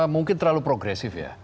mungkin terlalu progresif ya